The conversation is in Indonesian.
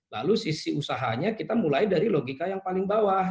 lalu sisi usahanya kita mulai dari logika yang paling bawah